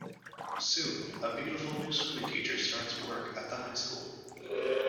Soon, a beautiful new swimming teacher starts work at the high school.